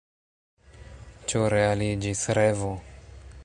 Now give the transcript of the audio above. Ĉu realiĝis revo?